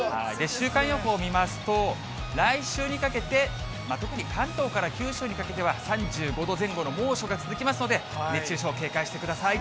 週間予報を見ますと、来週にかけて、特に関東から九州にかけては、３５度前後の猛暑が続きますので、熱中症、警戒してください。